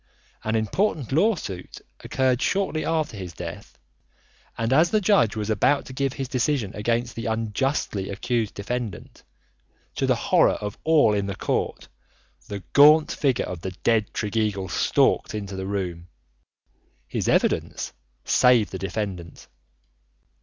An important lawsuit occurred shortly after his death, and as the judge was about to give his decision against the unjustly accused defendant, to the horror of all in court, the gaunt figure of the dead Tregeagle stalked into the room. His evidence saved the defendant.